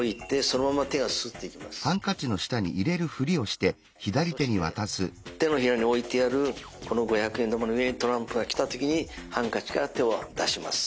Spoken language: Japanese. そして手のひらに置いてあるこの五百円玉の上にトランプが来た時にハンカチから手を出します。